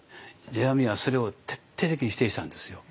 世阿弥はそれを徹底的に否定したんですよ。